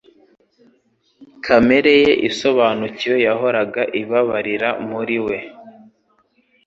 Kamere ye isobanukiwe yahoraga ibabarira muri we,